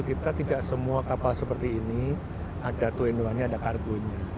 kita tidak semua kapal seperti ini ada dua in satu nya ada karbonnya